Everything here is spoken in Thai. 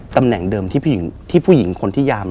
ตำแหน่งเดิมที่ผู้หญิงคนที่ยาม